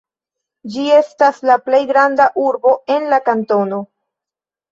Ĝi estas la plej granda urbo en la kantono.